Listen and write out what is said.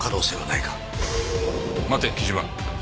待て木島。